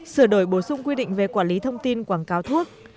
sửa đổi bổ sung quy định về quản lý thông tin quảng cáo thuốc